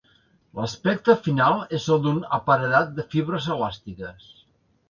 L'aspecte final és el d'un aparedat de fibres elàstiques.